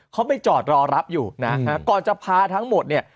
เขาไปจอดรอรับอยู่นะฮะก่อนจะพาทั้งหมดเนี่ย